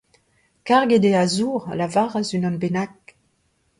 Karget eo a zour ! a lavaras unan bennak.